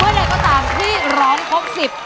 เมื่อไหนก็ตามที่ร้องครบ๑๐